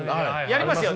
やりますよね。